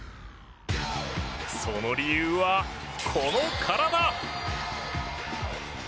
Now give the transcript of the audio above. その理由は、この体。